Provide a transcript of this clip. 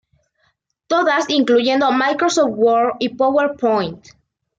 Todas incluyen Microsoft Word y PowerPoint.